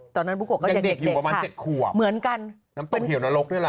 ตอนนั้นปุ๊กกบก็ยังเด็กค่ะเหมือนกันน้ำต้มเหี่ยวนรกด้วยล่ะ